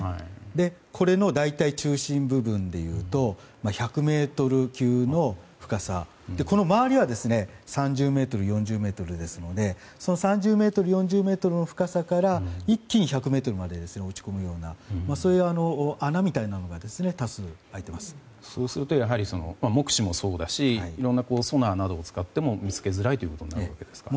この大体中心部分でいうと１００ｍ級の深さで、周りは３０ｍ、４０ｍですので３０ｍ、４０ｍの深さから一気に１００ｍまで落ち込むような穴みたいなものがそうすると目視もそうだしいろんなソナーなどを使っても見つけづらいということですか。